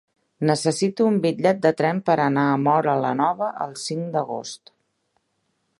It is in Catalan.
Necessito un bitllet de tren per anar a Móra la Nova el cinc d'agost.